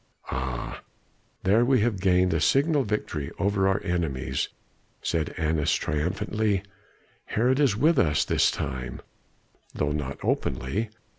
"Ah there we have gained a signal victory over our enemies," said Annas triumphantly. "Herod is with us this time, though not openly.